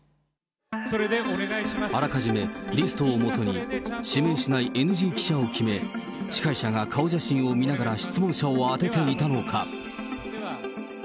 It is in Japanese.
あらかじめ、リストを基に、指名しないＮＧ記者を決め、司会者が顔写真を見ながら質問者を当てていたのか。